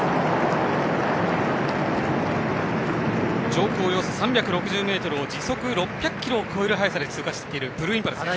上空およそ３６０ｍを時速６００キロを超える速さで通過していったブルーインパルスです。